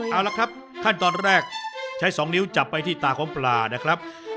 เอาละครับขั้นตอนแรกใช้๒นิ้วจับไปที่ตาของปลานะครับ